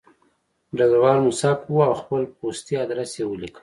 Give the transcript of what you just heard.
ډګروال موسک و او خپل پستي ادرس یې ولیکه